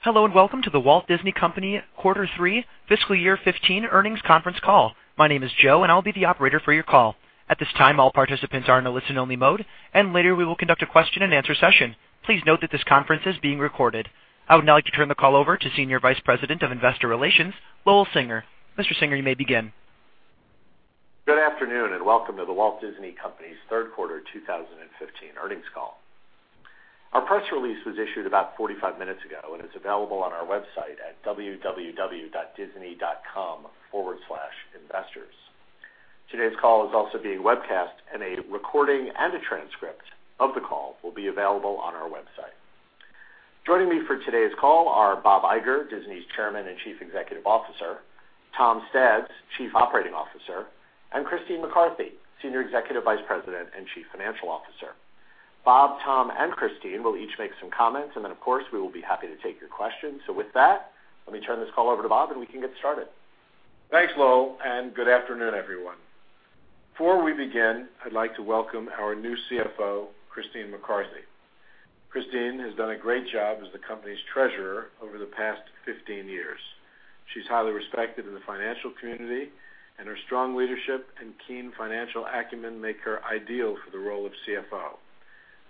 Hello, welcome to The Walt Disney Company quarter three fiscal year 2015 earnings conference call. My name is Joe, and I'll be the operator for your call. At this time, all participants are in a listen-only mode. Later, we will conduct a question-and-answer session. Please note that this conference is being recorded. I would now like to turn the call over to Senior Vice President of Investor Relations, Lowell Singer. Mr. Singer, you may begin. Good afternoon, welcome to The Walt Disney Company's third quarter 2015 earnings call. Our press release was issued about 45 minutes ago and is available on our website at www.disney.com/investors. Today's call is also being webcast. A recording and a transcript of the call will be available on our website. Joining me for today's call are Bob Iger, Disney's Chairman and Chief Executive Officer, Tom Staggs, Chief Operating Officer, and Christine McCarthy, Senior Executive Vice President and Chief Financial Officer. Bob, Tom, and Christine will each make some comments. Then, of course, we will be happy to take your questions. With that, let me turn this call over to Bob, and we can get started. Thanks, Lowell. Good afternoon, everyone. Before we begin, I'd like to welcome our new CFO, Christine McCarthy. Christine has done a great job as the company's treasurer over the past 15 years. She's highly respected in the financial community. Her strong leadership and keen financial acumen make her ideal for the role of CFO.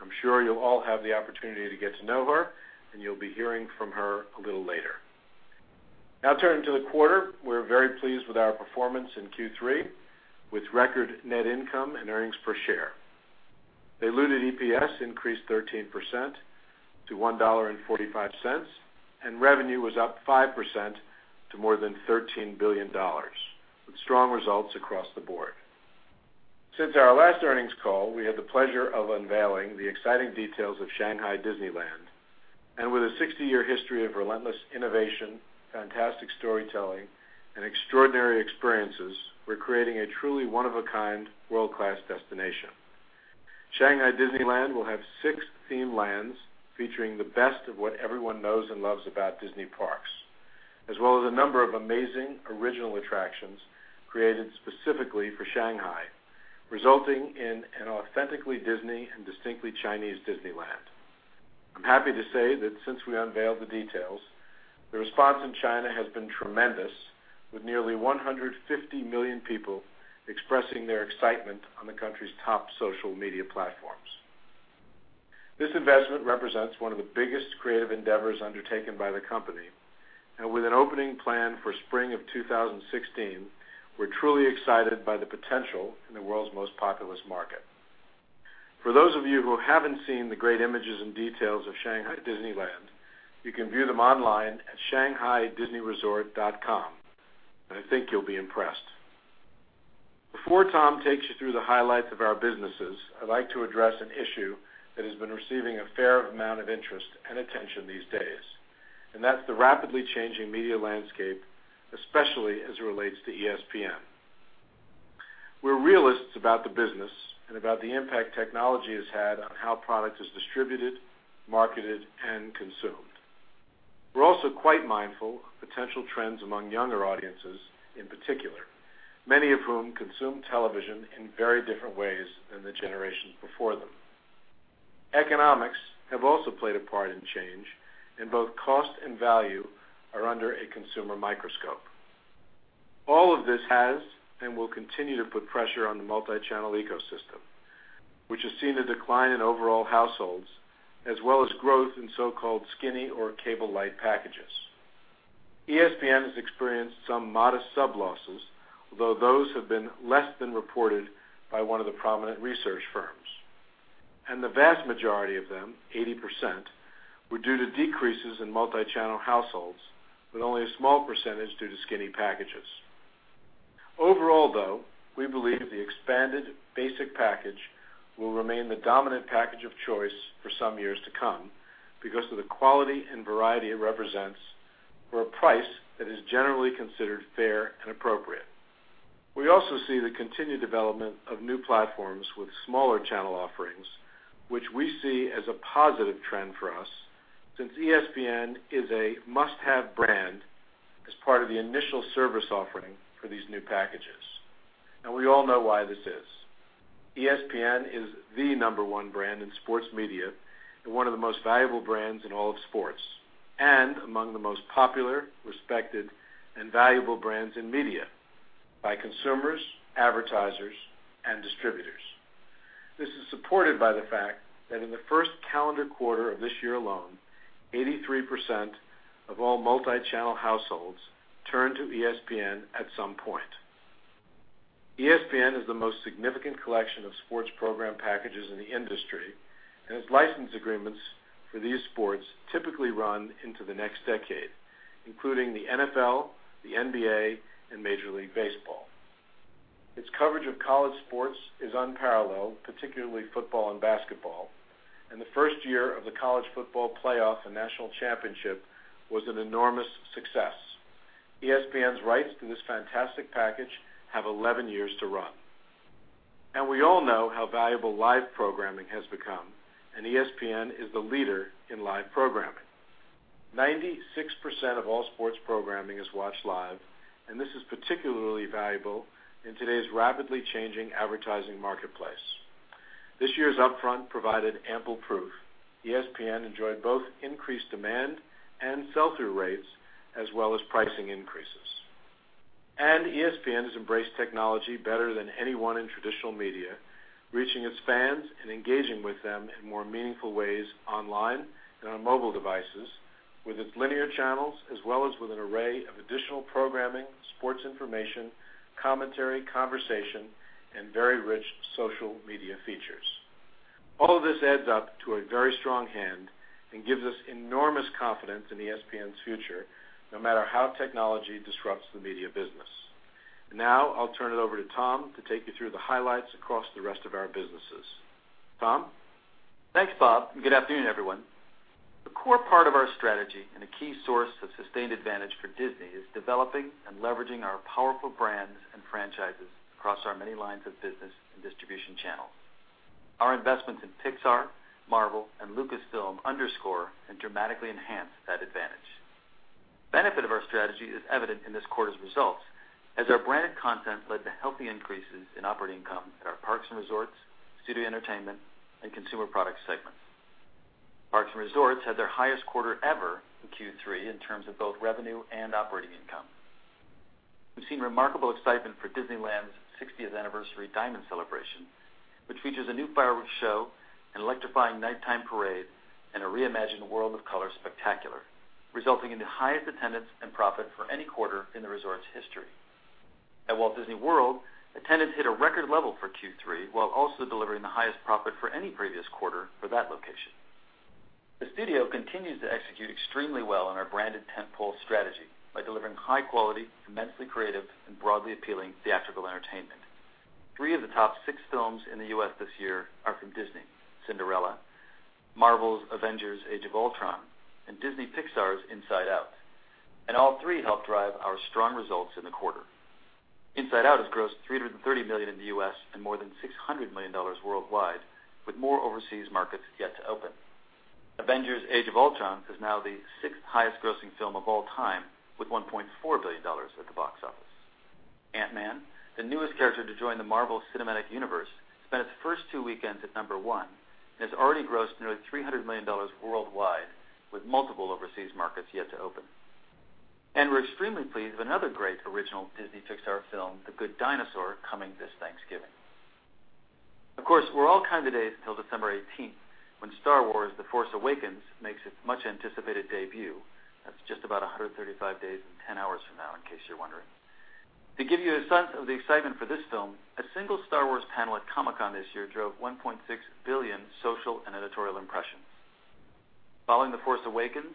I'm sure you'll all have the opportunity to get to know her. You'll be hearing from her a little later. Now turning to the quarter. We're very pleased with our performance in Q3 with record net income and earnings per share. The diluted EPS increased 13% to $1.45. Revenue was up 5% to more than $13 billion, with strong results across the board. Since our last earnings call, we had the pleasure of unveiling the exciting details of Shanghai Disneyland. With a 60-year history of relentless innovation, fantastic storytelling, and extraordinary experiences, we're creating a truly one-of-a-kind, world-class destination. Shanghai Disneyland will have six theme lands featuring the best of what everyone knows and loves about Disney parks, as well as a number of amazing original attractions created specifically for Shanghai, resulting in an authentically Disney and distinctly Chinese Disneyland. I'm happy to say that since we unveiled the details, the response in China has been tremendous, with nearly 150 million people expressing their excitement on the country's top social media platforms. This investment represents one of the biggest creative endeavors undertaken by the company. With an opening plan for spring of 2016, we're truly excited by the potential in the world's most populous market. For those of you who haven't seen the great images and details of Shanghai Disneyland, you can view them online at shanghaidisneyresort.com. I think you'll be impressed. Before Tom takes you through the highlights of our businesses, I'd like to address an issue that has been receiving a fair amount of interest and attention these days. That's the rapidly changing media landscape, especially as it relates to ESPN. We're realists about the business and about the impact technology has had on how product is distributed, marketed, and consumed. We're also quite mindful of potential trends among younger audiences in particular, many of whom consume television in very different ways than the generations before them. Economics have also played a part in change, and both cost and value are under a consumer microscope. All of this has and will continue to put pressure on the multi-channel ecosystem, which has seen a decline in overall households, as well as growth in so-called skinny or cable-light packages. ESPN has experienced some modest sub-losses, although those have been less than reported by one of the prominent research firms. The vast majority of them, 80%, were due to decreases in multi-channel households, with only a small percentage due to skinny packages. Overall, though, we believe the expanded basic package will remain the dominant package of choice for some years to come because of the quality and variety it represents for a price that is generally considered fair and appropriate. We also see the continued development of new platforms with smaller channel offerings, which we see as a positive trend for us since ESPN is a must-have brand as part of the initial service offering for these new packages. We all know why this is. ESPN is the number one brand in sports media and one of the most valuable brands in all of sports and among the most popular, respected, and valuable brands in media by consumers, advertisers, and distributors. This is supported by the fact that in the first calendar quarter of this year alone, 83% of all multi-channel households turned to ESPN at some point. ESPN is the most significant collection of sports program packages in the industry and has license agreements for these sports typically run into the next decade, including the NFL, the NBA, and Major League Baseball. Its coverage of college sports is unparalleled, particularly football and basketball, and the first year of the college football playoff and national championship was an enormous success. ESPN's rights to this fantastic package have 11 years to run. We all know how valuable live programming has become, and ESPN is the leader in live programming 96% of all sports programming is watched live, and this is particularly valuable in today's rapidly changing advertising marketplace. This year's upfront provided ample proof. ESPN enjoyed both increased demand and sell-through rates, as well as pricing increases. ESPN has embraced technology better than anyone in traditional media, reaching its fans and engaging with them in more meaningful ways online and on mobile devices with its linear channels, as well as with an array of additional programming, sports information, commentary, conversation, and very rich social media features. All of this adds up to a very strong hand and gives us enormous confidence in ESPN's future, no matter how technology disrupts the media business. I'll turn it over to Tom to take you through the highlights across the rest of our businesses. Tom? Thanks, Bob, and good afternoon, everyone. A core part of our strategy and a key source of sustained advantage for Disney is developing and leveraging our powerful brands and franchises across our many lines of business and distribution channels. Our investments in Pixar, Marvel, and Lucasfilm underscore and dramatically enhance that advantage. Benefit of our strategy is evident in this quarter's results, as our branded content led to healthy increases in operating income at our parks and resorts, studio entertainment, and consumer products segments. Parks and resorts had their highest quarter ever in Q3 in terms of both revenue and operating income. We've seen remarkable excitement for Disneyland's 60th anniversary Diamond Celebration, which features a new fireworks show, an electrifying nighttime parade, and a reimagined World of Color spectacular, resulting in the highest attendance and profit for any quarter in the resort's history. At Walt Disney World, attendance hit a record level for Q3 while also delivering the highest profit for any previous quarter for that location. The studio continues to execute extremely well on our branded tent pole strategy by delivering high-quality, immensely creative, and broadly appealing theatrical entertainment. Three of the top six films in the U.S. this year are from Disney, "Cinderella," Marvel's "Avengers: Age of Ultron," and Disney Pixar's "Inside Out." All three helped drive our strong results in the quarter. "Inside Out" has grossed $330 million in the U.S. and more than $600 million worldwide, with more overseas markets yet to open. "Avengers: Age of Ultron" is now the sixth highest-grossing film of all time, with $1.4 billion at the box office. Ant-Man," the newest character to join the Marvel cinematic universe, spent its first two weekends at number one and has already grossed nearly $300 million worldwide, with multiple overseas markets yet to open. We're extremely pleased with another great original Disney Pixar film, "The Good Dinosaur," coming this Thanksgiving. Of course, we're all counting the days till December 18th when "Star Wars: The Force Awakens" makes its much-anticipated debut. That's just about 135 days and 10 hours from now, in case you're wondering. To give you a sense of the excitement for this film, a single "Star Wars" panel at Comic-Con this year drove 1.6 billion social and editorial impressions. Following "The Force Awakens,"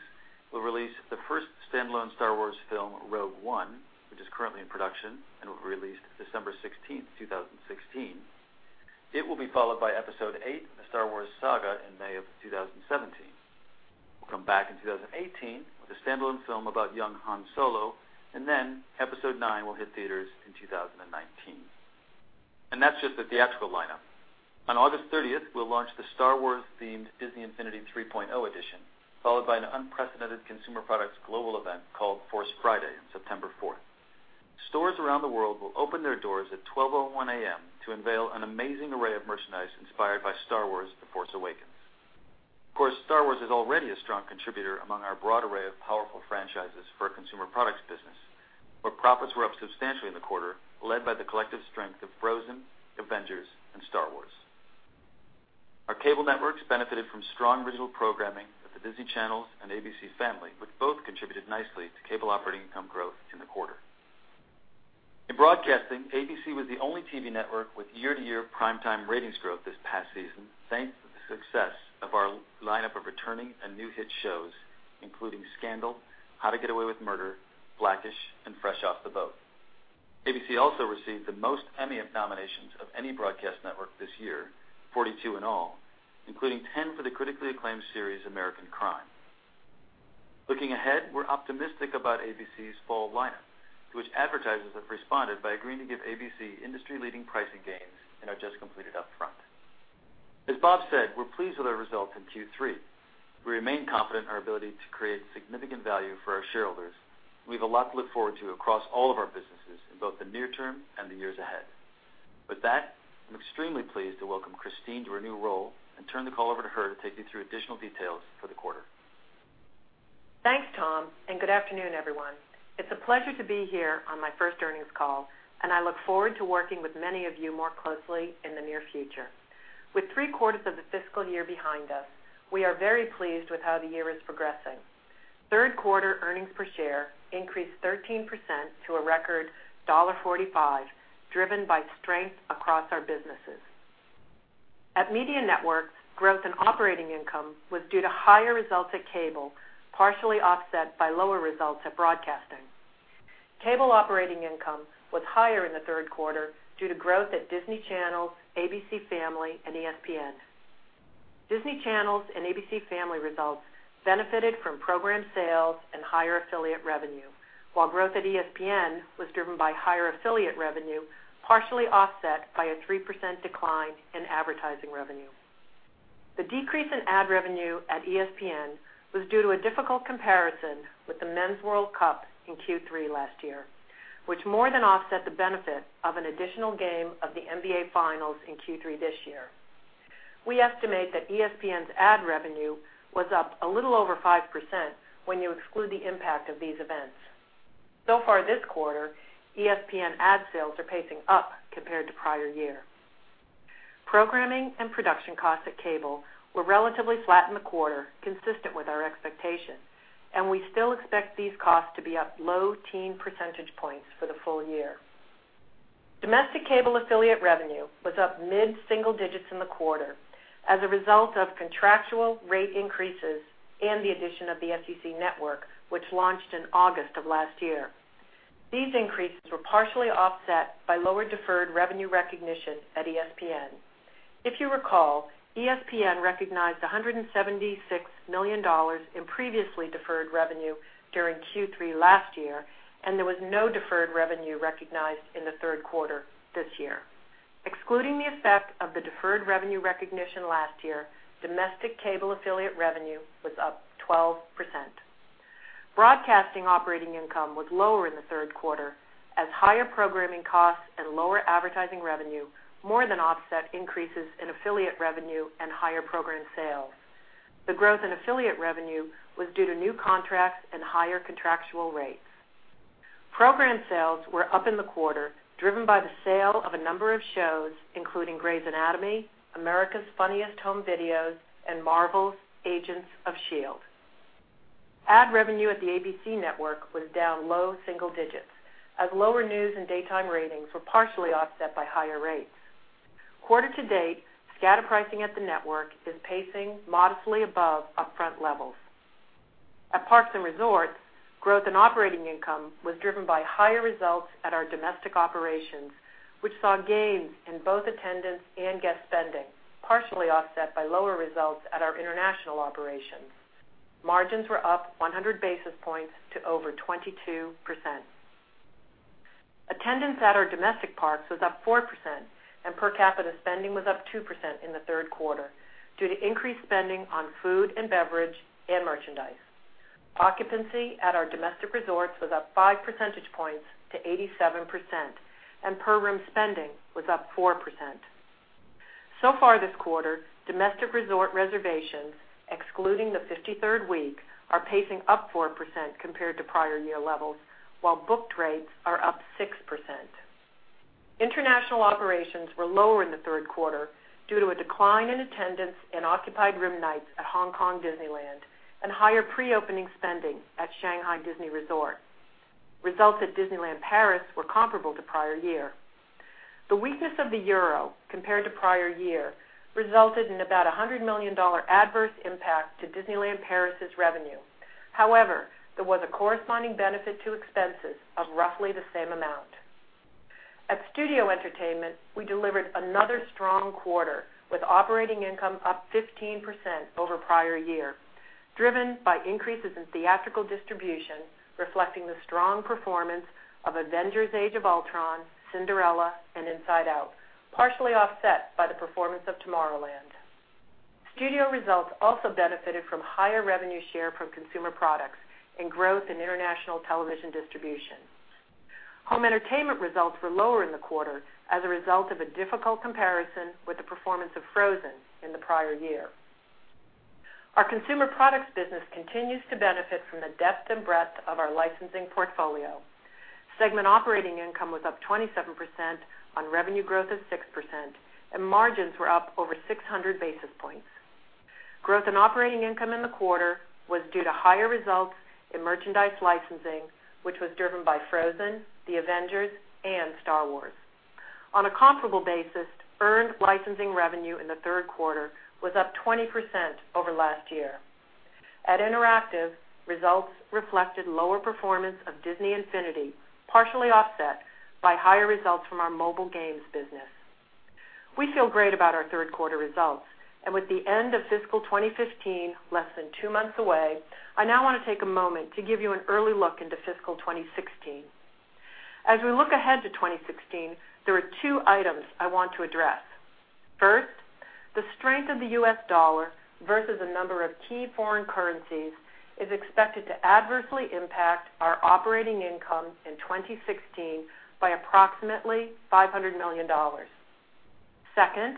we'll release the first standalone "Star Wars" film, "Rogue One," which is currently in production and will be released December 16th, 2016. It will be followed by Episode VIII of the Star Wars saga in May of 2017. We'll come back in 2018 with a standalone film about young Han Solo, then Episode IX will hit theaters in 2019. That's just the theatrical lineup. On August 30th, we'll launch the Star Wars-themed Disney Infinity 3.0 Edition, followed by an unprecedented consumer products global event called Force Friday on September 4th. Stores around the world will open their doors at 12:01 A.M. to unveil an amazing array of merchandise inspired by "Star Wars: The Force Awakens." Of course, Star Wars is already a strong contributor among our broad array of powerful franchises for our consumer products business, where profits were up substantially in the quarter, led by the collective strength of Frozen, Avengers, and Star Wars. Our cable networks benefited from strong original programming at the Disney Channels and ABC Family, which both contributed nicely to cable operating income growth in the quarter. In broadcasting, ABC was the only TV network with year-to-year prime time ratings growth this past season, thanks to the success of our lineup of returning and new hit shows, including "Scandal," "How to Get Away with Murder," "Black-ish," and "Fresh Off the Boat." ABC also received the most Emmy nominations of any broadcast network this year, 42 in all, including 10 for the critically acclaimed series, "American Crime." Looking ahead, we're optimistic about ABC's fall lineup, to which advertisers have responded by agreeing to give ABC industry-leading pricing gains in our just completed upfront. As Bob said, we're pleased with our results in Q3. We remain confident in our ability to create significant value for our shareholders. We have a lot to look forward to across all of our businesses in both the near term and the years ahead. With that, I'm extremely pleased to welcome Christine to her new role and turn the call over to her to take you through additional details for the quarter. Thanks, Tom. Good afternoon, everyone. It's a pleasure to be here on my first earnings call, I look forward to working with many of you more closely in the near future. With three-quarters of the fiscal year behind us, we are very pleased with how the year is progressing. Third-quarter earnings per share increased 13% to a record $1.45, driven by strength across our businesses. At Media Network, growth in operating income was due to higher results at cable, partially offset by lower results at broadcasting. Cable operating income was higher in the third quarter due to growth at Disney Channels, ABC Family, and ESPN. Disney Channels and ABC Family results benefited from program sales and higher affiliate revenue, while growth at ESPN was driven by higher affiliate revenue, partially offset by a 3% decline in advertising revenue. The decrease in ad revenue at ESPN was due to a difficult comparison with the Men's World Cup in Q3 last year, which more than offset the benefit of an additional game of the NBA Finals in Q3 this year. We estimate that ESPN's ad revenue was up a little over 5% when you exclude the impact of these events. So far this quarter, ESPN ad sales are pacing up compared to prior year. Programming and production costs at cable were relatively flat in the quarter, consistent with our expectation, and we still expect these costs to be up low-teen percentage points for the full year. Domestic cable affiliate revenue was up mid-single digits in the quarter as a result of contractual rate increases and the addition of the SEC Network, which launched in August of last year. These increases were partially offset by lower deferred revenue recognition at ESPN. If you recall, ESPN recognized $176 million in previously deferred revenue during Q3 last year, and there was no deferred revenue recognized in the third quarter this year. Excluding the effect of the deferred revenue recognition last year, domestic cable affiliate revenue was up 12%. Broadcasting operating income was lower in the third quarter as higher programming costs and lower advertising revenue more than offset increases in affiliate revenue and higher program sales. The growth in affiliate revenue was due to new contracts and higher contractual rates. Program sales were up in the quarter, driven by the sale of a number of shows, including "Grey's Anatomy," "America's Funniest Home Videos," and "Marvel's Agents of S.H.I.E.L.D." Ad revenue at the ABC Network was down low single digits as lower news and daytime ratings were partially offset by higher rates. Quarter to date, scatter pricing at the network is pacing modestly above upfront levels. At Parks and Resorts, growth in operating income was driven by higher results at our domestic operations, which saw gains in both attendance and guest spending, partially offset by lower results at our international operations. Margins were up 100 basis points to over 22%. Attendance at our domestic parks was up 4%, and per capita spending was up 2% in the third quarter due to increased spending on food and beverage and merchandise. Occupancy at our domestic resorts was up 5 percentage points to 87%, and per room spending was up 4%. So far this quarter, domestic resort reservations, excluding the 53rd week, are pacing up 4% compared to prior year levels, while booked rates are up 6%. International operations were lower in the third quarter due to a decline in attendance and occupied room nights at Hong Kong Disneyland and higher pre-opening spending at Shanghai Disney Resort. Results at Disneyland Paris were comparable to prior year. The weakness of the euro compared to prior year resulted in about a $100 million adverse impact to Disneyland Paris' revenue. However, there was a corresponding benefit to expenses of roughly the same amount. At Studio Entertainment, we delivered another strong quarter, with operating income up 15% over prior year, driven by increases in theatrical distribution, reflecting the strong performance of "Avengers: Age of Ultron," "Cinderella," and "Inside Out," partially offset by the performance of "Tomorrowland." Studio results also benefited from higher revenue share from consumer products and growth in international television distribution. Home entertainment results were lower in the quarter as a result of a difficult comparison with the performance of "Frozen" in the prior year. Our consumer products business continues to benefit from the depth and breadth of our licensing portfolio. Segment operating income was up 27% on revenue growth of 6%, and margins were up over 600 basis points. Growth in operating income in the quarter was due to higher results in merchandise licensing, which was driven by "Frozen," "The Avengers," and "Star Wars." On a comparable basis, earned licensing revenue in the third quarter was up 20% over last year. At Interactive, results reflected lower performance of "Disney Infinity," partially offset by higher results from our mobile games business. We feel great about our third quarter results, and with the end of fiscal 2015 less than two months away, I now want to take a moment to give you an early look into fiscal 2016. As we look ahead to 2016, there are two items I want to address. First, the strength of the U.S. dollar versus a number of key foreign currencies is expected to adversely impact our operating income in 2016 by approximately $500 million. Second,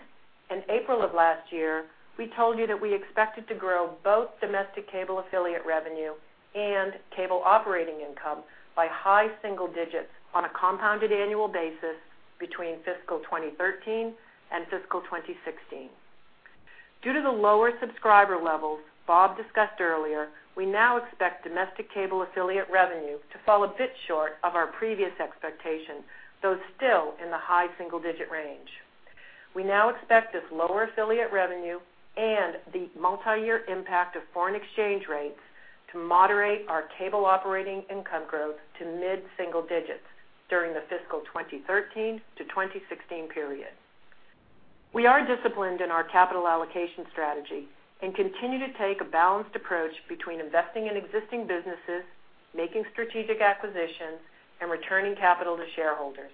in April of last year, we told you that we expected to grow both domestic cable affiliate revenue and cable operating income by high single digits on a compounded annual basis between fiscal 2013 and fiscal 2016. Due to the lower subscriber levels Bob discussed earlier, we now expect domestic cable affiliate revenue to fall a bit short of our previous expectation, though still in the high single-digit range. We now expect this lower affiliate revenue and the multi-year impact of foreign exchange rates to moderate our cable operating income growth to mid-single digits during the fiscal 2013 to 2016 period. We are disciplined in our capital allocation strategy and continue to take a balanced approach between investing in existing businesses, making strategic acquisitions, and returning capital to shareholders.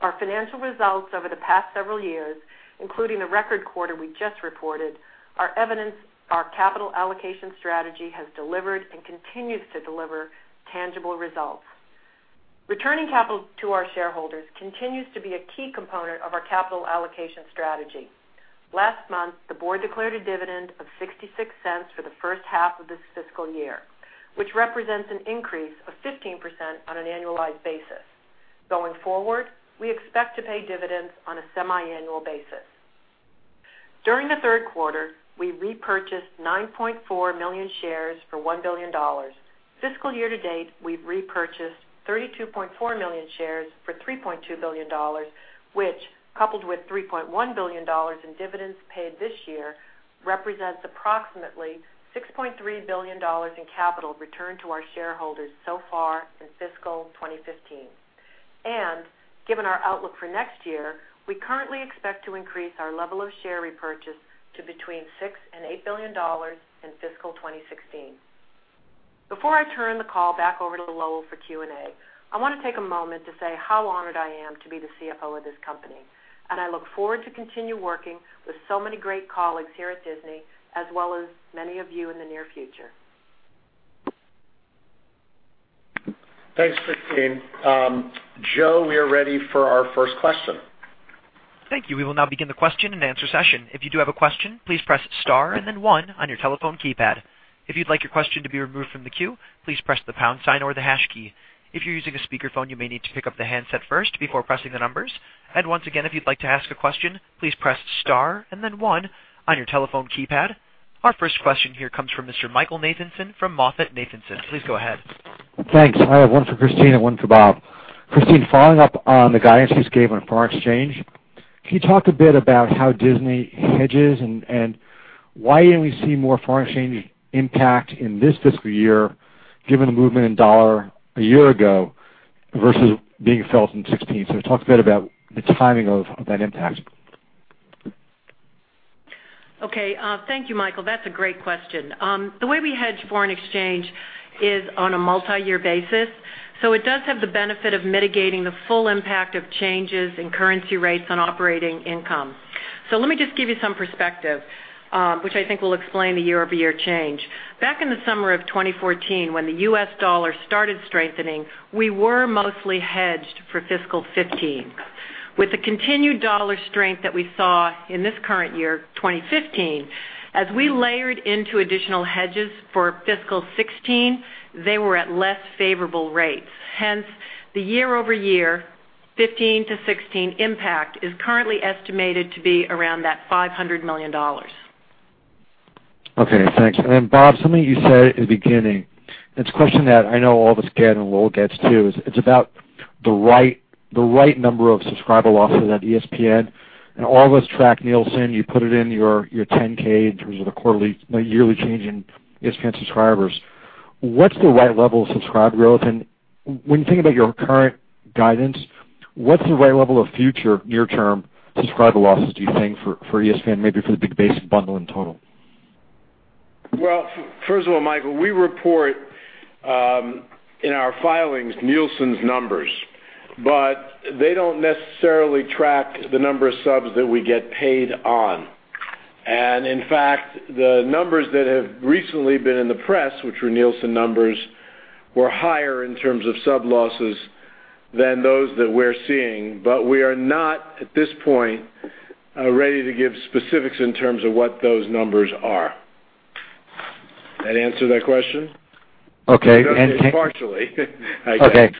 Our financial results over the past several years, including the record quarter we just reported, are evidence our capital allocation strategy has delivered and continues to deliver tangible results. Returning capital to our shareholders continues to be a key component of our capital allocation strategy. Last month, the board declared a dividend of $0.66 for the first half of this fiscal year, which represents an increase of 15% on an annualized basis. Going forward, we expect to pay dividends on a semiannual basis. During the third quarter, we repurchased 9.4 million shares for $1 billion. Fiscal year to date, we've repurchased 32.4 million shares for $3.2 billion, which, coupled with $3.1 billion in dividends paid this year, represents approximately $6.3 billion in capital returned to our shareholders so far in fiscal 2015. Given our outlook for next year, we currently expect to increase our level of share repurchase to between $6 billion and $8 billion in fiscal 2016. Before I turn the call back over to Lowell for Q&A, I want to take a moment to say how honored I am to be the CFO of this company, and I look forward to continue working with so many great colleagues here at Disney, as well as many of you in the near future. Thanks, Christine. Joe, we are ready for our first question. Thank you. We will now begin the question and answer session. If you do have a question, please press star and then one on your telephone keypad. If you'd like your question to be removed from the queue, please press the pound sign or the hash key. If you're using a speakerphone, you may need to pick up the handset first before pressing the numbers. Once again, if you'd like to ask a question, please press star and then one on your telephone keypad. Our first question here comes from Mr. Michael Nathanson from MoffettNathanson. Please go ahead. Thanks. I have one for Christine and one for Bob. Christine, following up on the guidance you gave on foreign exchange, can you talk a bit about how Disney hedges and why didn't we see more foreign exchange impact in this fiscal year, given the movement in dollar a year ago versus being felt in 2016? Talk a bit about the timing of that impact. Okay. Thank you, Michael. That's a great question. The way we hedge foreign exchange is on a multi-year basis, it does have the benefit of mitigating the full impact of changes in currency rates on operating income. Let me just give you some perspective, which I think will explain the year-over-year change. Back in the summer of 2014, when the U.S. dollar started strengthening, we were mostly hedged for fiscal 2015. With the continued dollar strength that we saw in this current year, 2015, as we layered into additional hedges for fiscal 2016, they were at less favorable rates. Hence, the year-over-year 2015 to 2016 impact is currently estimated to be around that $500 million. Okay, thanks. Bob, something you said at the beginning, and it's a question that I know all of us get and Lowell gets too, is it's about the right number of subscriber losses at ESPN, and all of us track Nielsen. You put it in your 10-K in terms of the yearly change in ESPN subscribers. What's the right level of subscriber growth? When you think about your current guidance, what's the right level of future near-term subscriber losses, do you think, for ESPN, maybe for the big basic bundle in total? Well, first of all, Michael, we report in our filings Nielsen's numbers. They don't necessarily track the number of subs that we get paid on. In fact, the numbers that have recently been in the press, which were Nielsen numbers, were higher in terms of sub losses than those that we're seeing. We are not, at this point, ready to give specifics in terms of what those numbers are. That answer that question? Okay. Partially, I guess.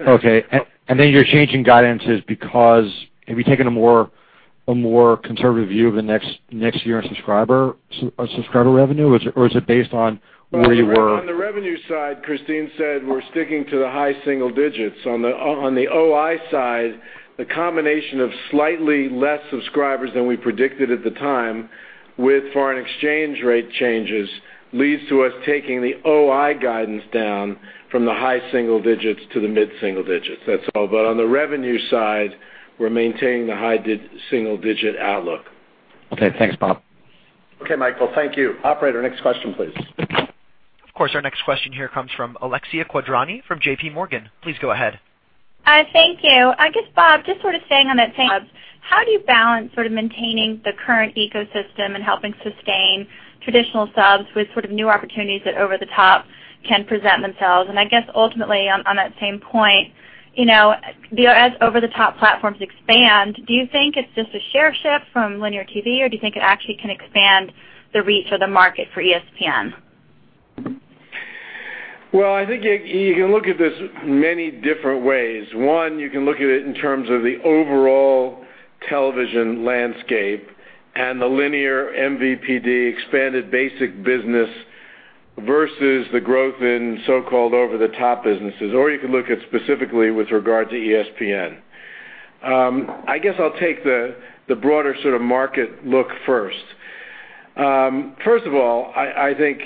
Okay. Your change in guidance is because have you taken a more conservative view of the next year on subscriber revenue? Is it based on where you were- On the revenue side, Christine said we're sticking to the high single digits. On the OI side, the combination of slightly less subscribers than we predicted at the time with foreign exchange rate changes leads to us taking the OI guidance down from the high single digits to the mid-single digits. That's all. On the revenue side, we're maintaining the high single-digit outlook. Okay. Thanks, Bob. Okay, Michael. Thank you. Operator, next question, please. Of course. Our next question here comes from Alexia Quadrani from J.P. Morgan. Please go ahead. Thank you. I guess, Bob, just sort of staying on that subs, how do you balance sort of maintaining the current ecosystem and helping sustain traditional subs with sort of new opportunities that over-the-top can present themselves? I guess ultimately on that same point, as over-the-top platforms expand, do you think it's just a share shift from linear TV, or do you think it actually can expand the reach of the market for ESPN? Well, I think you can look at this many different ways. One, you can look at it in terms of the overall television landscape and the linear MVPD expanded basic business versus the growth in so-called over-the-top businesses. You can look at specifically with regard to ESPN. I guess I'll take the broader sort of market look first. First of all, I think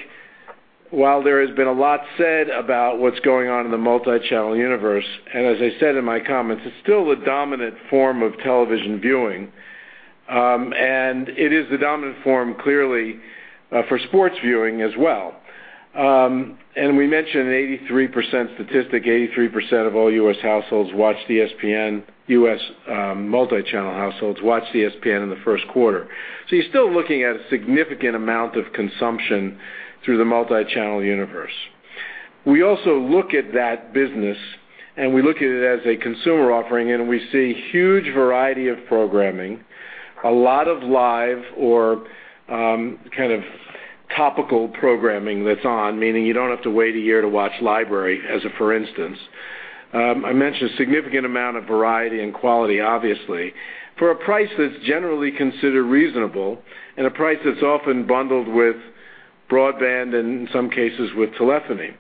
while there has been a lot said about what's going on in the multi-channel universe, as I said in my comments, it's still the dominant form of television viewing. It is the dominant form, clearly, for sports viewing as well. We mentioned an 83% statistic. 83% of all U.S. multi-channel households watch ESPN in the first quarter. You're still looking at a significant amount of consumption through the multi-channel universe. We also look at that business, we look at it as a consumer offering, we see huge variety of programming, a lot of live or topical programming that's on, meaning you don't have to wait a year to watch library, as for instance. I mentioned significant amount of variety and quality, obviously, for a price that's generally considered reasonable and a price that's often bundled with broadband and in some cases with telephony.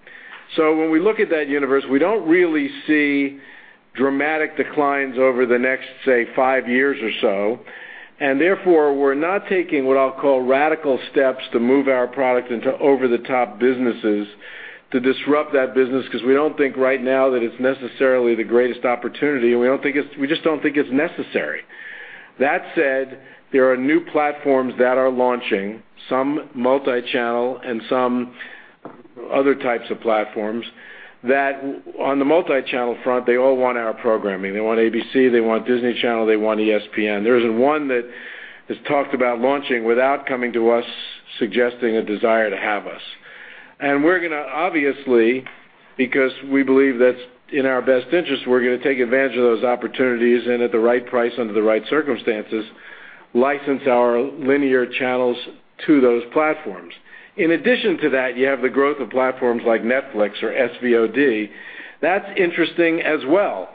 When we look at that universe, we don't really see dramatic declines over the next, say, five years or so. Therefore, we're not taking what I'll call radical steps to move our product into over-the-top businesses to disrupt that business, because we don't think right now that it's necessarily the greatest opportunity, and we just don't think it's necessary. That said, there are new platforms that are launching, some multi-channel and some other types of platforms, that on the multi-channel front, they all want our programming. They want ABC, they want Disney Channel, they want ESPN. There isn't one that has talked about launching without coming to us suggesting a desire to have us. We're going to, obviously, because we believe that's in our best interest, we're going to take advantage of those opportunities and at the right price under the right circumstances, license our linear channels to those platforms. In addition to that, you have the growth of platforms like Netflix or SVOD. That's interesting as well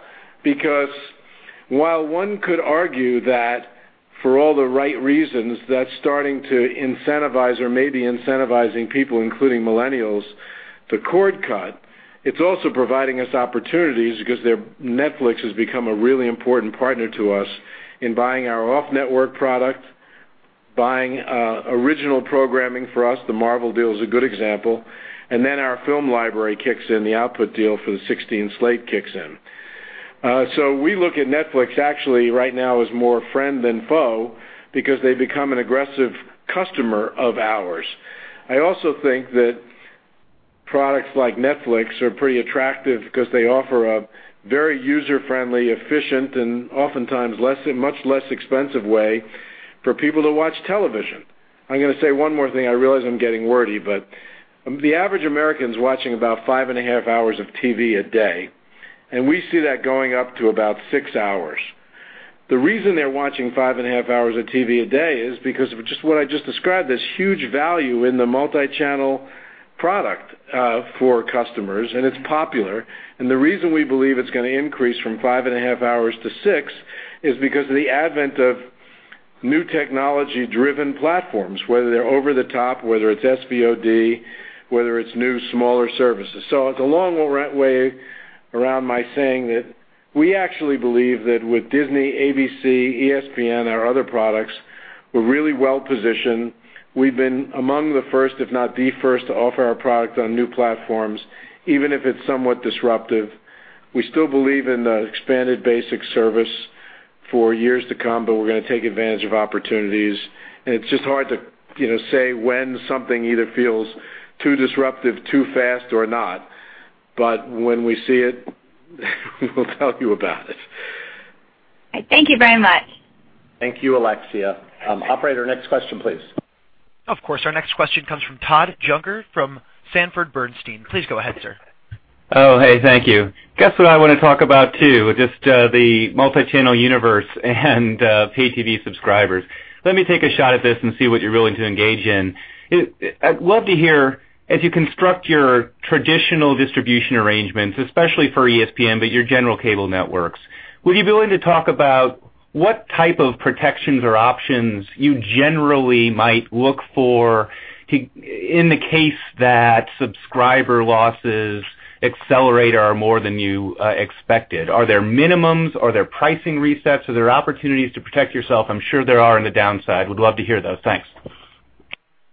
because while one could argue that for all the right reasons, that's starting to incentivize or may be incentivizing people, including millennials, to cord cut, it's also providing us opportunities because Netflix has become a really important partner to us in buying our off-network product, buying original programming for us, the Marvel deal is a good example, and then our film library kicks in, the output deal for the 2016 slate kicks in. We look at Netflix actually right now as more friend than foe because they've become an aggressive customer of ours. I also think that products like Netflix are pretty attractive because they offer a very user-friendly, efficient, and oftentimes much less expensive way for people to watch television. I'm going to say one more thing. I realize I'm getting wordy, but the average American's watching about five and a half hours of TV a day, and we see that going up to about six hours. The reason they're watching five and a half hours of TV a day is because of just what I just described, this huge value in the multi-channel product for customers, and it's popular. The reason we believe it's going to increase from five and a half hours to six is because of the advent of new technology-driven platforms, whether they're over the top, whether it's SVOD, whether it's new, smaller services. It's a long way around my saying that we actually believe that with Disney, ABC, ESPN, our other products, we're really well-positioned. We've been among the first, if not the first, to offer our product on new platforms, even if it's somewhat disruptive. We still believe in the expanded basic service for years to come, but we're going to take advantage of opportunities. It's just hard to say when something either feels too disruptive, too fast or not. When we see it, we will tell you about it. Thank you very much. Thank you, Alexia. Operator, next question, please. Of course. Our next question comes from Todd Juenger from Sanford C. Bernstein. Please go ahead, sir. Oh, hey. Thank you. Guess what I want to talk about too? Just the multi-channel universe and pay TV subscribers. Let me take a shot at this and see what you're willing to engage in. I'd love to hear, as you construct your traditional distribution arrangements, especially for ESPN, but your general cable networks, would you be willing to talk about what type of protections or options you generally might look for in the case that subscriber losses accelerate or are more than you expected? Are there minimums? Are there pricing resets? Are there opportunities to protect yourself? I'm sure there are in the downside. Would love to hear those. Thanks.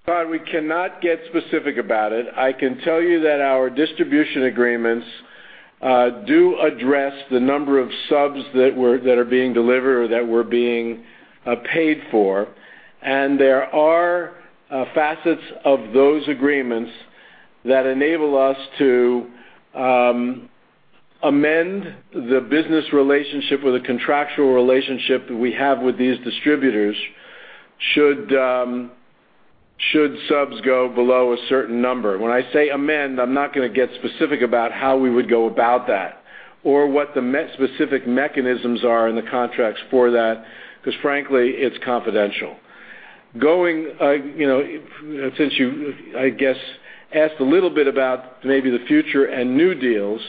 Todd, we cannot get specific about it. I can tell you that our distribution agreements do address the number of subs that are being delivered or that we're being paid for. There are facets of those agreements that enable us to amend the business relationship or the contractual relationship that we have with these distributors should subs go below a certain number. When I say amend, I'm not going to get specific about how we would go about that or what the specific mechanisms are in the contracts for that, because frankly, it's confidential. Since you, I guess, asked a little bit about maybe the future and new deals,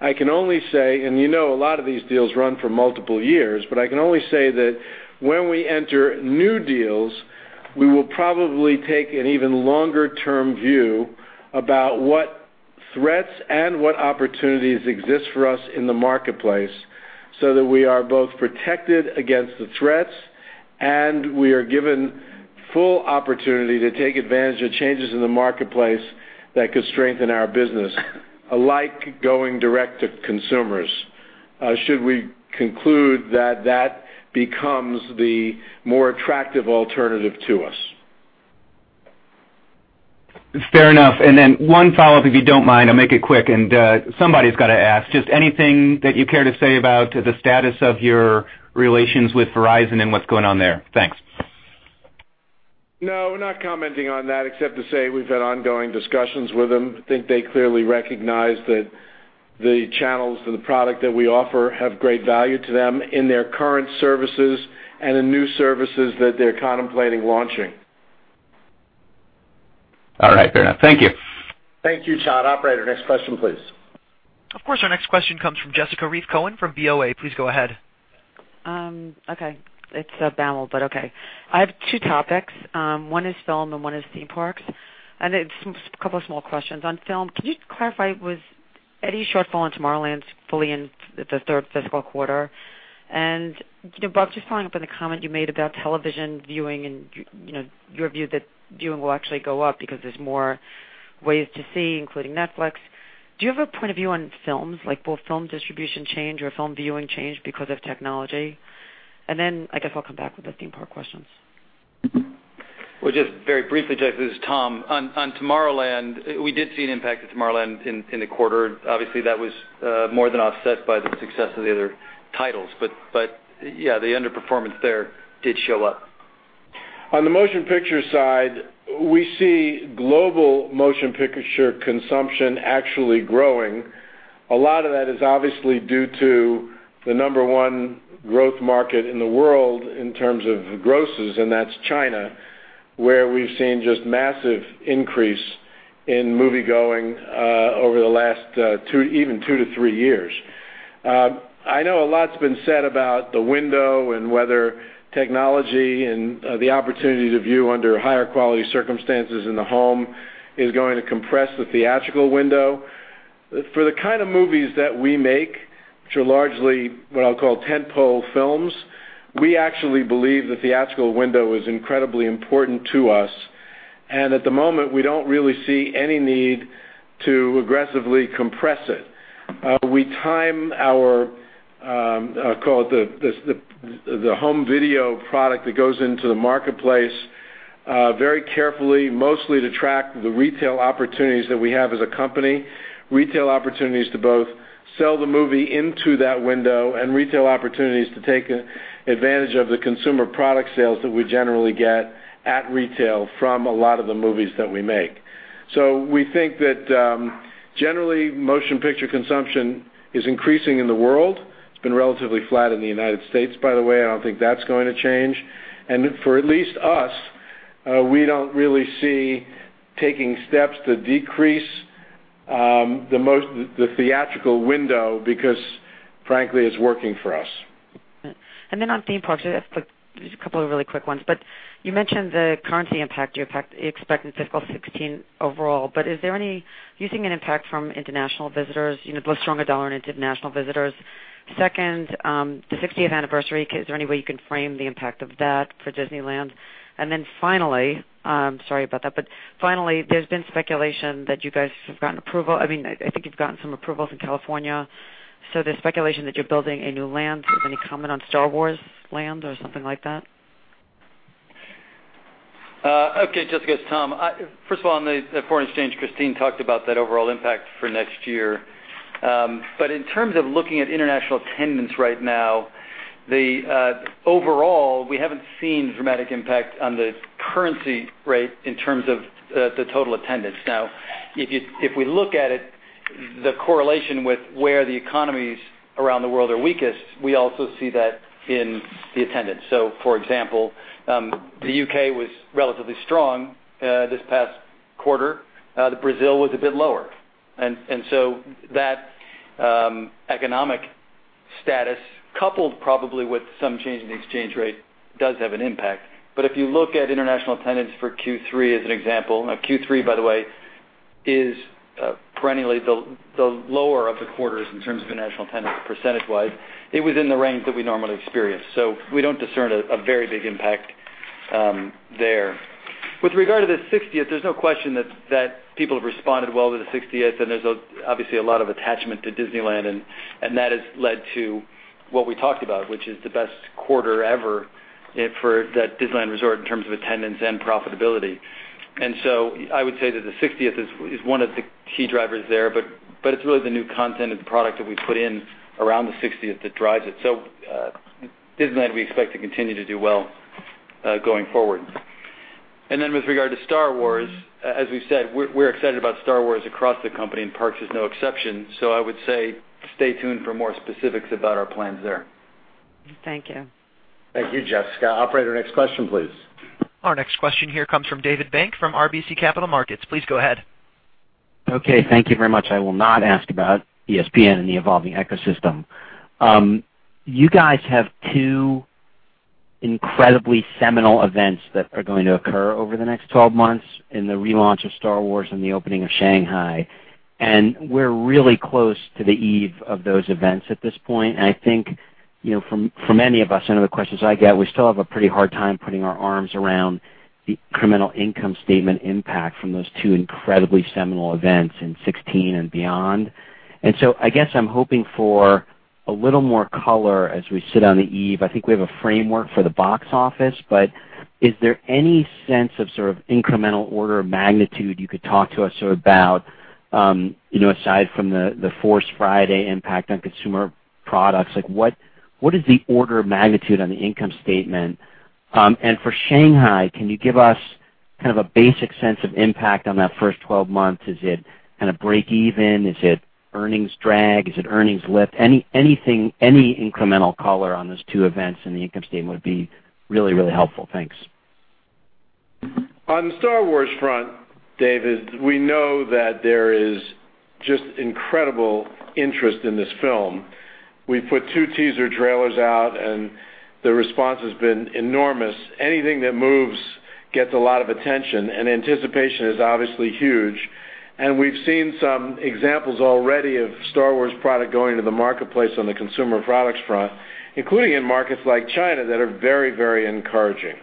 I can only say, and you know a lot of these deals run for multiple years, but I can only say that when we enter new deals, we will probably take an even longer-term view about what threats and what opportunities exist for us in the marketplace, so that we are both protected against the threats and we are given full opportunity to take advantage of changes in the marketplace that could strengthen our business, alike going direct to consumers. Should we conclude that that becomes the more attractive alternative to us? It's fair enough. One follow-up, if you don't mind, I'll make it quick, and somebody's got to ask. Just anything that you care to say about the status of your relations with Verizon and what's going on there? Thanks. No, we're not commenting on that except to say we've had ongoing discussions with them. I think they clearly recognize that the channels for the product that we offer have great value to them in their current services and in new services that they're contemplating launching. All right, fair enough. Thank you. Thank you, Todd. Operator, next question, please. Of course, our next question comes from Jessica Reif Cohen from BOA. Please go ahead. Okay. It's okay. I have two topics. One is film and one is theme parks. A couple of small questions. On film, can you clarify with Eddie short film Tomorrowland fully in the third fiscal quarter? Bob, just following up on the comment you made about television viewing and your view that viewing will actually go up because there's more ways to see, including Netflix. Do you have a point of view on films, like will film distribution change or film viewing change because of technology? I guess I'll come back with the theme park questions. Well, just very briefly, Jess, this is Tom. On Tomorrowland, we did see an impact to Tomorrowland in the quarter. Obviously, that was more than offset by the success of the other titles. Yeah, the underperformance there did show up. On the motion picture side, we see global motion picture consumption actually growing. A lot of that is obviously due to the number 1 growth market in the world in terms of grosses, and that's China, where we've seen just massive increase in moviegoing over the last even two to three years. I know a lot's been said about the window and whether technology and the opportunity to view under higher quality circumstances in the home is going to compress the theatrical window. For the kind of movies that we make, which are largely what I'll call tent-pole films, we actually believe the theatrical window is incredibly important to us, and at the moment, we don't really see any need to aggressively compress it. We time our, call it the home video product that goes into the marketplace very carefully, mostly to track the retail opportunities that we have as a company, retail opportunities to both sell the movie into that window and retail opportunities to take advantage of the consumer product sales that we generally get at retail from a lot of the movies that we make. We think that generally, motion picture consumption is increasing in the world. It's been relatively flat in the U.S., by the way. I don't think that's going to change. For at least us, we don't really see taking steps to decrease the theatrical window because, frankly, it's working for us. On theme parks, just a couple of really quick ones. You mentioned the currency impact you expect in fiscal 2016 overall. Is there any using an impact from international visitors, both stronger dollar and international visitors? Second, the 60th anniversary, is there any way you can frame the impact of that for Disneyland? Finally, sorry about that, but finally, there's been speculation that you guys have gotten approval. I think you've gotten some approvals in California. The speculation that you're building a new land, any comment on Star Wars land or something like that? Okay, Jessica, it's Tom. First of all, on the foreign exchange, Christine talked about that overall impact for next year. In terms of looking at international attendance right now, overall, we haven't seen dramatic impact on the currency rate in terms of the total attendance. If we look at it, the correlation with where the economies around the world are weakest, we also see that in the attendance. For example, the U.K. was relatively strong this past quarter. Brazil was a bit lower. That economic status, coupled probably with some change in the exchange rate, does have an impact. If you look at international attendance for Q3 as an example, Q3, by the way, is perennially the lower of the quarters in terms of international attendance percentage-wise. It was in the range that we normally experience. We don't discern a very big impact there. With regard to the 60th, there's no question that people have responded well to the 60th, and there's obviously a lot of attachment to Disneyland, and that has led to what we talked about, which is the best quarter ever for the Disneyland Resort in terms of attendance and profitability. I would say that the 60th is one of the key drivers there, but it's really the new content and the product that we put in around the 60th that drives it. Disneyland, we expect to continue to do well going forward. With regard to Star Wars, as we've said, we're excited about Star Wars across the company, and parks is no exception. I would say stay tuned for more specifics about our plans there. Thank you. Thank you, Jessica. Operator, next question, please. Our next question here comes from David Bank from RBC Capital Markets. Please go ahead. Okay, thank you very much. I will not ask about ESPN and the evolving ecosystem. You guys have two incredibly seminal events that are going to occur over the next 12 months in the relaunch of Star Wars and the opening of Shanghai, and we're really close to the eve of those events at this point. For many of us, I know the questions I get, we still have a pretty hard time putting our arms around the incremental income statement impact from those two incredibly seminal events in 2016 and beyond. I guess I'm hoping for a little more color as we sit on the eve. I think we have a framework for the box office, is there any sense of sort of incremental order of magnitude you could talk to us about aside from the Force Friday impact on consumer products? What is the order of magnitude on the income statement? For Shanghai, can you give us a basic sense of impact on that first 12 months? Is it break-even? Is it earnings drag? Is it earnings lift? Any incremental color on those two events in the income statement would be really helpful. Thanks. On the Star Wars front, David, we know that there is just incredible interest in this film. We've put two teaser trailers out, the response has been enormous. Anything that moves gets a lot of attention, anticipation is obviously huge. We've seen some examples already of Star Wars product going into the marketplace on the consumer products front, including in markets like China that are very encouraging.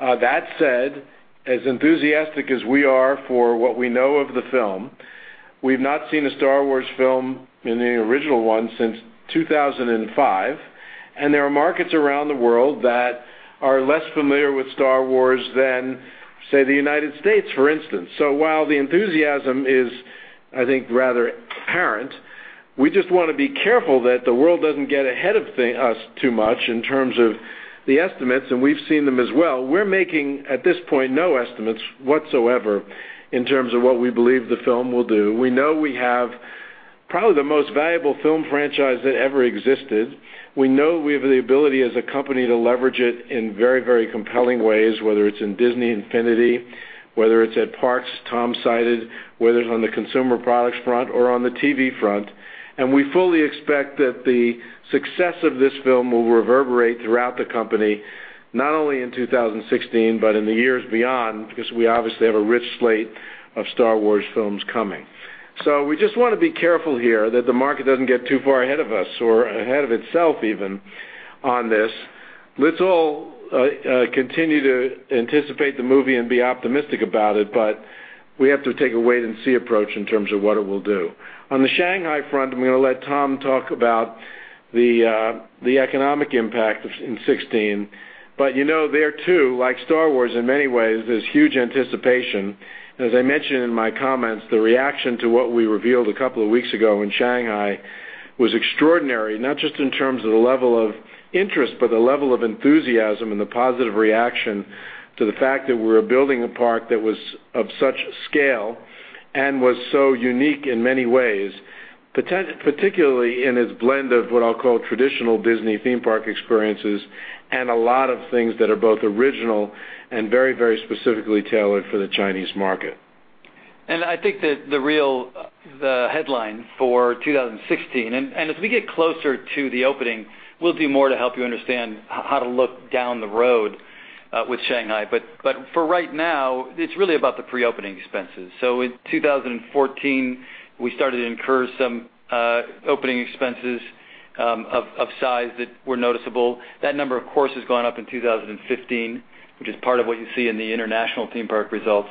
That said, as enthusiastic as we are for what we know of the film, we've not seen a Star Wars film than the original one since 2005, there are markets around the world that are less familiar with Star Wars than, say, the U.S., for instance. While the enthusiasm is, I think, rather apparent, we just want to be careful that the world doesn't get ahead of us too much in terms of the estimates, we've seen them as well. We're making, at this point, no estimates whatsoever in terms of what we believe the film will do. We know we have probably the most valuable film franchise that ever existed. We know we have the ability as a company to leverage it in very compelling ways, whether it's in Disney Infinity, whether it's at parks Tom cited, whether it's on the consumer products front or on the TV front. We fully expect that the success of this film will reverberate throughout the company, not only in 2016, but in the years beyond, because we obviously have a rich slate of Star Wars films coming. We just want to be careful here that the market doesn't get too far ahead of us or ahead of itself even on this. Let's all continue to anticipate the movie and be optimistic about it, we have to take a wait-and-see approach in terms of what it will do. On the Shanghai front, I'm going to let Tom talk about the economic impact in 2016. You know there, too, like Star Wars, in many ways, there's huge anticipation. As I mentioned in my comments, the reaction to what we revealed a couple of weeks ago in Shanghai was extraordinary, not just in terms of the level of interest, but the level of enthusiasm and the positive reaction to the fact that we're building a park that was of such scale and was so unique in many ways, particularly in its blend of what I'll call traditional Disney theme park experiences and a lot of things that are both original and very specifically tailored for the Chinese market. I think that the headline for 2016, as we get closer to the opening, we'll do more to help you understand how to look down the road with Shanghai. For right now, it's really about the pre-opening expenses. In 2014, we started to incur some opening expenses of size that were noticeable. That number, of course, has gone up in 2015, which is part of what you see in the international theme park results.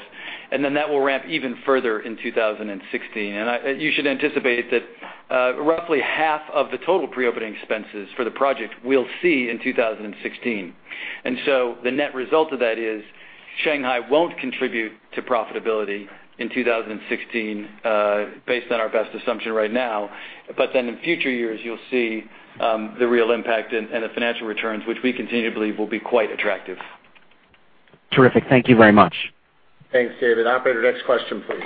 That will ramp even further in 2016. You should anticipate that roughly half of the total pre-opening expenses for the project we'll see in 2016. The net result of that is Shanghai won't contribute to profitability in 2016 based on our best assumption right now, in future years, you'll see the real impact and the financial returns, which we continue to believe will be quite attractive. Terrific. Thank you very much. Thanks, David. Operator, next question, please.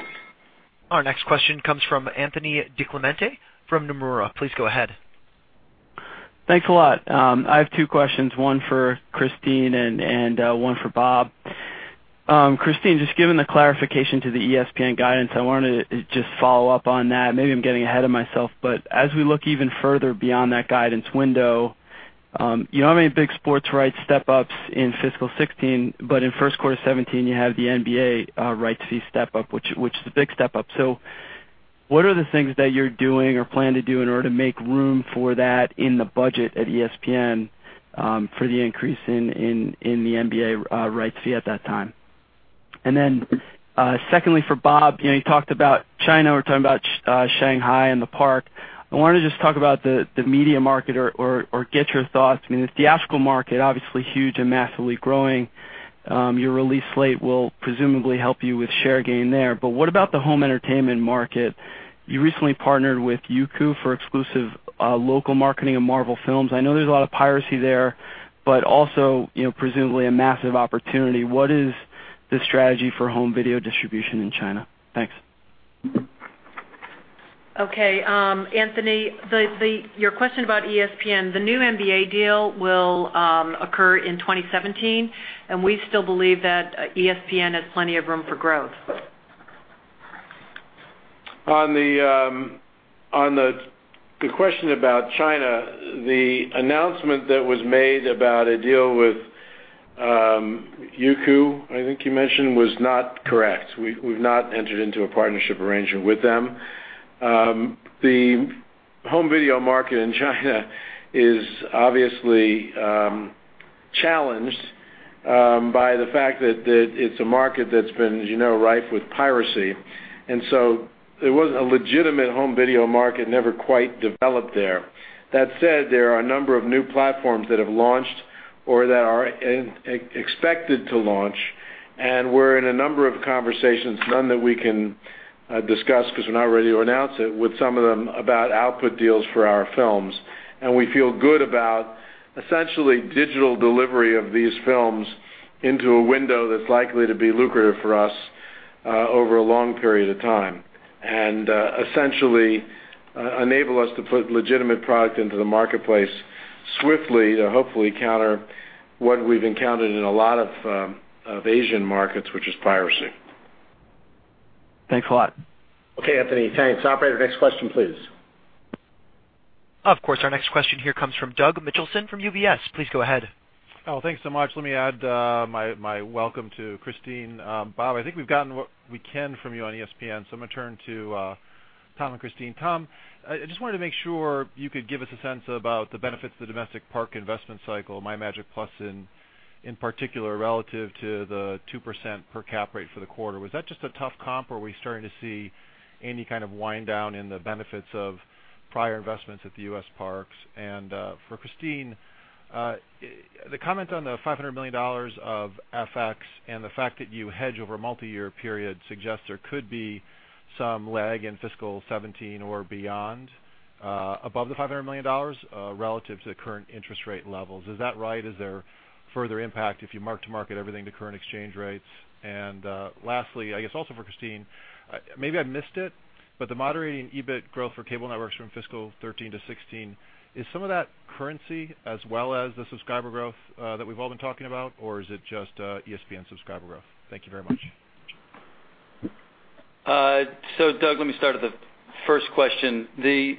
Our next question comes from Anthony DiClemente from Nomura. Please go ahead. Thanks a lot. I have two questions, one for Christine and one for Bob. Christine, just given the clarification to the ESPN guidance, I wanted to just follow up on that. Maybe I'm getting ahead of myself, but as we look even further beyond that guidance window you don't have any big sports rights step-ups in fiscal 2016, but in first quarter 2017 you have the NBA rights fee step-up, which is a big step-up. What are the things that you're doing or plan to do in order to make room for that in the budget at ESPN for the increase in the NBA rights fee at that time? Secondly, for Bob, you talked about China, we're talking about Shanghai and the park. I wanted to just talk about the media market or get your thoughts. I mean, the theatrical market, obviously huge and massively growing. Your release slate will presumably help you with share gain there, but what about the home entertainment market? You recently partnered with Youku for exclusive local marketing of Marvel films. I know there's a lot of piracy there, but also presumably a massive opportunity. What is the strategy for home video distribution in China? Thanks. Okay. Anthony, your question about ESPN, the new NBA deal will occur in 2017. We still believe that ESPN has plenty of room for growth. On the question about China, the announcement that was made about a deal with Youku, I think you mentioned, was not correct. We've not entered into a partnership arrangement with them. The home video market in China is obviously challenged by the fact that it's a market that's been rife with piracy. A legitimate home video market never quite developed there. That said, there are a number of new platforms that have launched or that are expected to launch. We're in a number of conversations, none that we can discuss because we're not ready to announce it, with some of them about output deals for our films. Essentially enable us to put legitimate product into the marketplace swiftly to hopefully counter what we've encountered in a lot of Asian markets, which is piracy. Thanks a lot. Okay, Anthony. Thanks. Operator, next question, please. Of course. Our next question here comes from Doug Mitchelson from UBS. Please go ahead. Thanks so much. Let me add my welcome to Christine. Bob, I think we've gotten what we can from you on ESPN, so I'm going to turn to Tom and Christine. Tom, I just wanted to make sure you could give us a sense about the benefits of the domestic park investment cycle, MyMagic+ in particular, relative to the 2% per cap rate for the quarter. Was that just a tough comp, or are we starting to see any kind of wind down in the benefits of prior investments at the U.S. parks? For Christine, the comment on the $500 million of FX and the fact that you hedge over a multi-year period suggests there could be some lag in fiscal 2017 or beyond above the $500 million relative to current interest rate levels. Is that right? Is there further impact if you mark-to-market everything to current exchange rates? Lastly, I guess also for Christine McCarthy, maybe I missed it, but the moderating EBIT growth for Cable Networks from fiscal 2013 to 2016, is some of that currency as well as the subscriber growth that we've all been talking about, or is it just ESPN subscriber growth? Thank you very much. Doug Mitchelson, let me start with the first question. The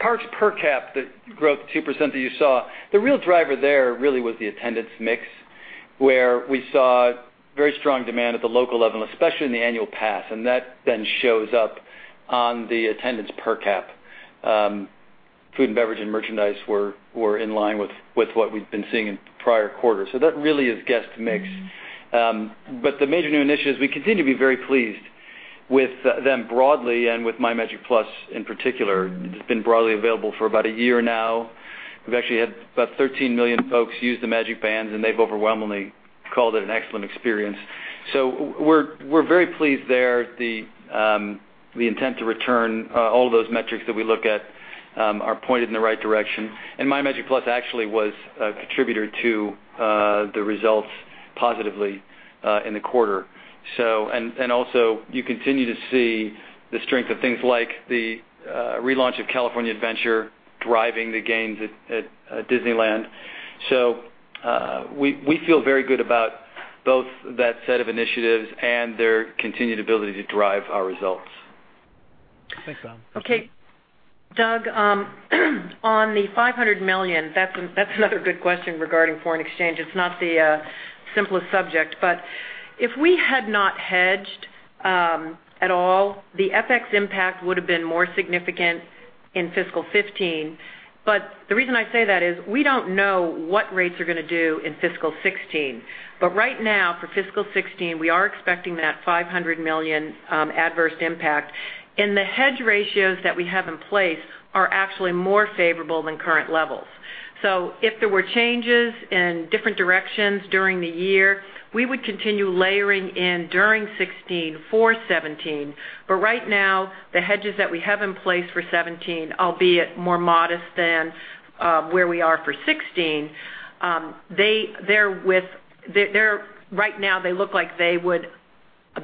parks per cap growth, 2% that you saw, the real driver there really was the attendance mix, where we saw very strong demand at the local level, especially in the annual pass, and that then shows up on the attendance per cap. Food and beverage and merchandise were in line with what we've been seeing in prior quarters. That really is guest mix. The major new initiatives, we continue to be very pleased with them broadly and with MyMagic+ in particular. It's been broadly available for about a year now. We've actually had about 13 million folks use the MagicBands, and they've overwhelmingly called it an excellent experience. We're very pleased there. The intent to return, all of those metrics that we look at are pointed in the right direction. MyMagic+ actually was a contributor to the results positively in the quarter. Also, you continue to see the strength of things like the relaunch of California Adventure driving the gains at Disneyland. We feel very good about both that set of initiatives and their continued ability to drive our results. Thanks, Tom Staggs. Okay. Doug, on the $500 million, that's another good question regarding foreign exchange. It's not the simplest subject, but if we had not hedged at all, the FX impact would have been more significant in fiscal 2015. The reason I say that is we don't know what rates are going to do in fiscal 2016. Right now for fiscal 2016, we are expecting that $500 million adverse impact. The hedge ratios that we have in place are actually more favorable than current levels. If there were changes in different directions during the year, we would continue layering in during 2016 for 2017. Right now, the hedges that we have in place for 2017, albeit more modest than where we are for 2016, right now they look like they would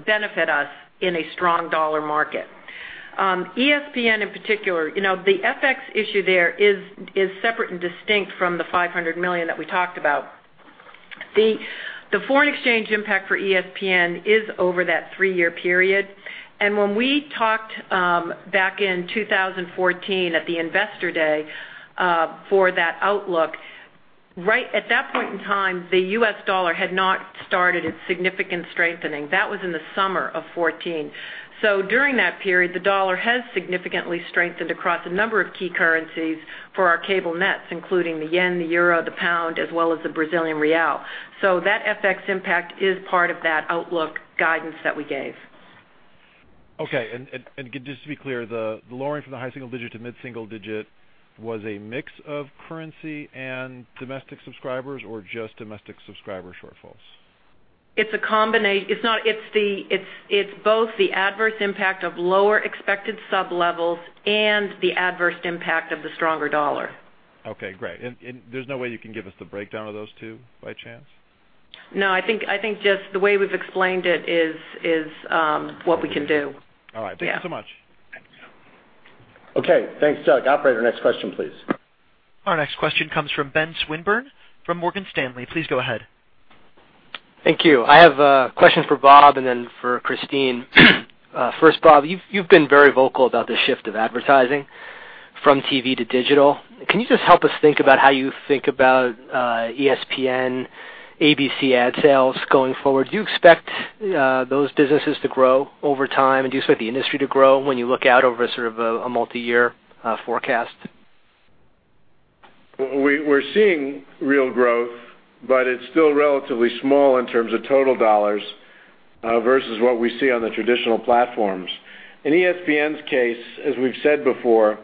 benefit us in a strong dollar market. ESPN in particular, the FX issue there is separate and distinct from the $500 million that we talked about. The foreign exchange impact for ESPN is over that three-year period. When we talked back in 2014 at the investor day for that outlook, at that point in time, the US dollar had not started its significant strengthening. That was in the summer of 2014. During that period the dollar has significantly strengthened across a number of key currencies for our cable nets, including the yen, the EUR, the pound, as well as the Brazilian real. That FX impact is part of that outlook guidance that we gave. Okay. Just to be clear, the lowering from the high single digit to mid single digit was a mix of currency and domestic subscribers or just domestic subscriber shortfalls? It's both the adverse impact of lower expected sub levels and the adverse impact of the stronger dollar. Okay, great. There's no way you can give us the breakdown of those two by chance? No, I think just the way we've explained it is what we can do. All right. Thank you so much. Okay. Thanks, Doug. Operator, next question, please. Our next question comes from Benjamin Swinburne from Morgan Stanley. Please go ahead. Thank you. I have a question for Bob and then for Christine. First, Bob, you've been very vocal about the shift of advertising from TV to digital. Can you just help us think about how you think about ESPN, ABC ad sales going forward? Do you expect those businesses to grow over time? Do you expect the industry to grow when you look out over a multiyear forecast? We're seeing real growth, but it's still relatively small in terms of total dollars versus what we see on the traditional platforms. In ESPN's case, as we've said before,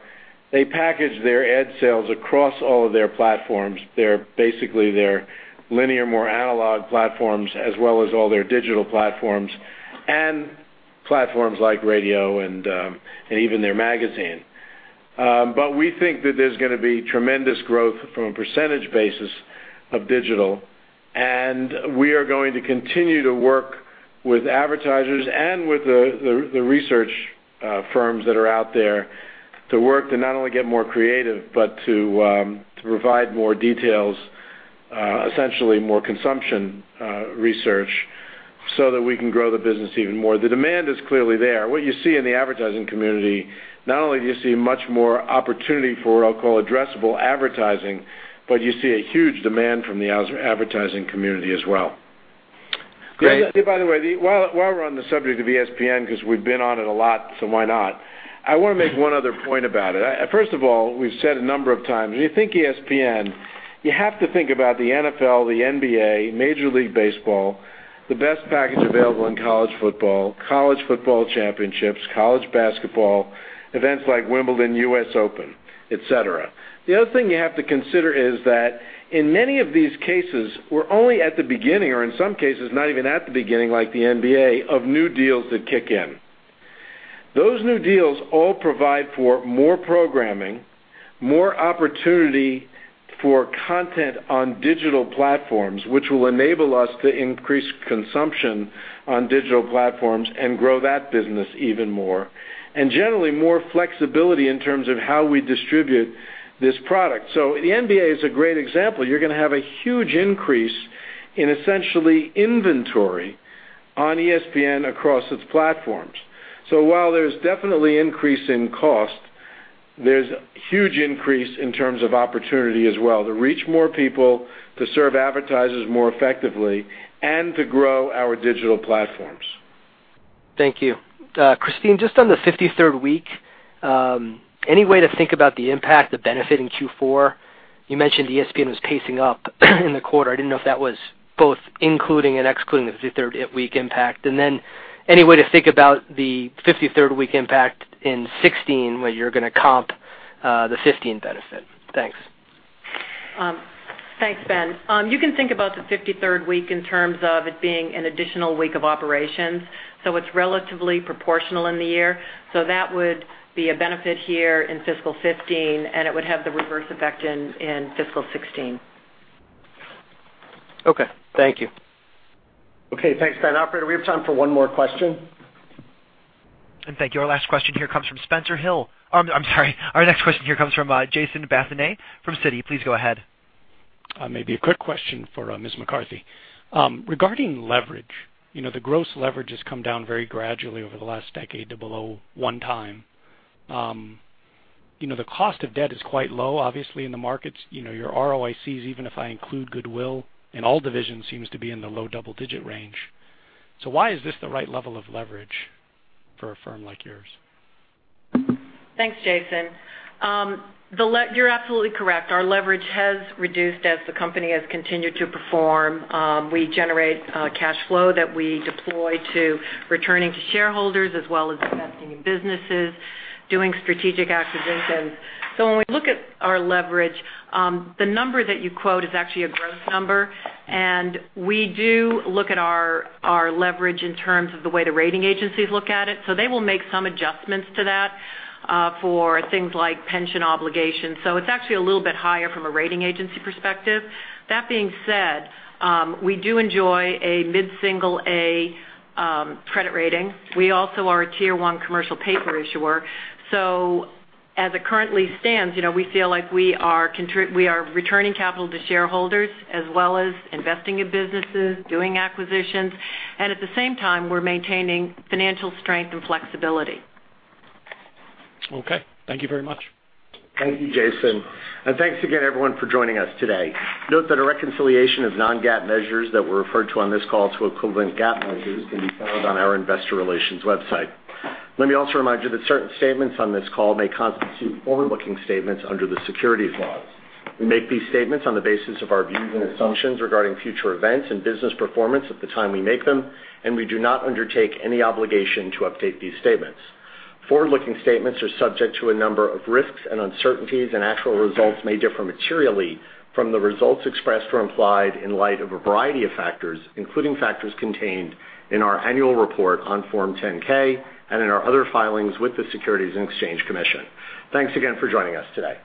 they package their ad sales across all of their platforms. Basically, their linear, more analog platforms, as well as all their digital platforms and platforms like radio and even their magazine. We think that there's going to be tremendous growth from a percentage basis of digital, and we are going to continue to work with advertisers and with the research firms that are out there to work to not only get more creative, but to provide more details, essentially more consumption research so that we can grow the business even more. The demand is clearly there. What you see in the advertising community, not only do you see much more opportunity for, I'll call addressable advertising, but you see a huge demand from the advertising community as well. Great. By the way, while we're on the subject of ESPN, because we've been on it a lot, why not? I want to make one other point about it. First of all, we've said a number of times, when you think ESPN, you have to think about the NFL, the NBA, Major League Baseball, the best package available in college football, college football championships, college basketball, events like Wimbledon, US Open, et cetera. The other thing you have to consider is that in many of these cases, we're only at the beginning, or in some cases not even at the beginning, like the NBA, of new deals that kick in. Those new deals all provide for more programming, more opportunity for content on digital platforms, which will enable us to increase consumption on digital platforms and grow that business even more. Generally, more flexibility in terms of how we distribute this product. The NBA is a great example. You're going to have a huge increase in essentially inventory on ESPN across its platforms. While there's definitely increase in cost, there's huge increase in terms of opportunity as well to reach more people, to serve advertisers more effectively, and to grow our digital platforms. Thank you. Christine, just on the 53rd week, any way to think about the impact, the benefit in Q4? You mentioned ESPN was pacing up in the quarter. I didn't know if that was both including and excluding the 53rd week impact. Any way to think about the 53rd week impact in 2016, where you're going to comp the 2015 benefit? Thanks. Thanks, Ben. You can think about the 53rd week in terms of it being an additional week of operations, so it's relatively proportional in the year. That would be a benefit here in fiscal 2015, and it would have the reverse effect in fiscal 2016. Okay, thank you. Okay. Thanks, Ben. Operator, we have time for one more question. Thank you. Our next question here comes from Jason Bazinet from Citi. Please go ahead. Maybe a quick question for Ms. McCarthy. Regarding leverage, the gross leverage has come down very gradually over the last decade to below one time. The cost of debt is quite low, obviously, in the markets. Your ROICs, even if I include goodwill in all divisions, seems to be in the low double-digit range. Why is this the right level of leverage for a firm like yours? Thanks, Jason. You're absolutely correct. Our leverage has reduced as the company has continued to perform. We generate cash flow that we deploy to returning to shareholders, as well as investing in businesses, doing strategic acquisitions. When we look at our leverage, the number that you quote is actually a gross number, and we do look at our leverage in terms of the way the rating agencies look at it. They will make some adjustments to that for things like pension obligations. It's actually a little bit higher from a rating agency perspective. That being said, we do enjoy a mid-single A credit rating. We also are a tier 1 commercial paper issuer. As it currently stands, we feel like we are returning capital to shareholders as well as investing in businesses, doing acquisitions, and at the same time, we're maintaining financial strength and flexibility. Okay. Thank you very much. Thank you, Jason. Thanks again, everyone, for joining us today. Note that a reconciliation of non-GAAP measures that were referred to on this call to equivalent GAAP measures can be found on our investor relations website. Let me also remind you that certain statements on this call may constitute forward-looking statements under the securities laws. We make these statements on the basis of our views and assumptions regarding future events and business performance at the time we make them, and we do not undertake any obligation to update these statements. Forward-looking statements are subject to a number of risks and uncertainties, actual results may differ materially from the results expressed or implied in light of a variety of factors, including factors contained in our annual report on Form 10-K and in our other filings with the Securities and Exchange Commission. Thanks again for joining us today.